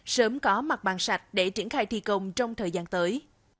sớm có mặt bàn sạch để triển khai thi công trong thời gian tới